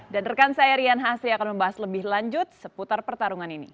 dan rekan saya rian hasri akan membahas lebih lanjut seputar pertarungan ini